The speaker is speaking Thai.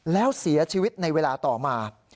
แล้วเสียชีวิตในเวลาต่อมา